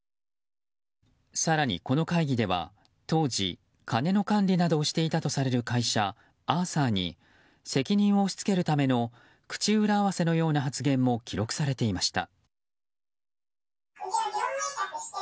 更にこの会議では当時、金の管理などをしていたとされる会社アーサーに責任を押し付けるための口裏合わせのような発言も記録されていました。